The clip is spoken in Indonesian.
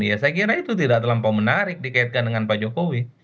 ya saya kira itu tidak terlampau menarik dikaitkan dengan pak jokowi